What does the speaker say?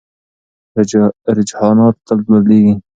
رجحانات تل بدلېږي.